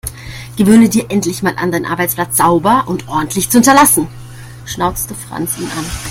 Gewöhne dir endlich mal an, deinen Arbeitsplatz sauber und ordentlich zu hinterlassen, schnauzte Franz ihn an.